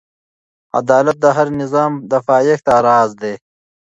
عدالت د هر نظام د پایښت راز دی.